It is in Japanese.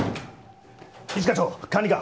一課長管理官！